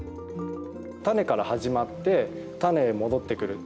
種から始まって種へ戻ってくる。